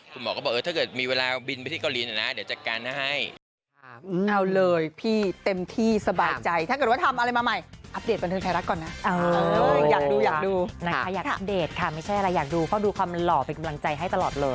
คุณหมอก็บอกถ้าเกิดมีเวลาบินไปที่เกาหลีนะเดี๋ยวจัดการให้